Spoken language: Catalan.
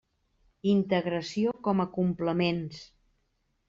Integració com a complements.